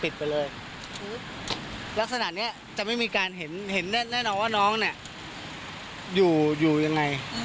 ลักษณะนี้จะไม่มีการเห็นเห็นแน่นอนว่าน้องเนี่ยอยู่อยู่ยังไง